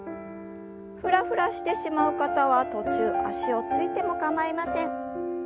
ふらふらしてしまう方は途中足をついても構いません。